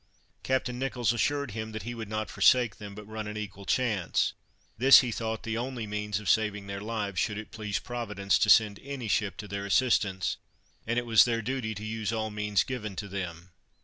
Captain Nicholls assured him that he would not forsake them, but run an equal chance; this he thought the only means of saving their lives, should it please Providence to send any ship to their assistance, and it was their duty to use all means given to them.